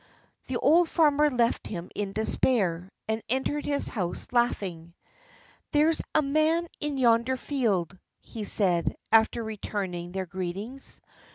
The old farmer left him in despair, and entered his house laughing. "There is a man in yonder field," he said, after returning their greetings.